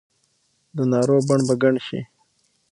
دا نارو بڼ به ګڼ شي